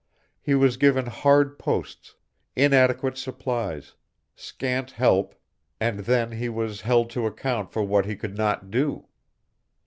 He was given hard posts, inadequate supplies, scant help, and then he was held to account for what he could not do.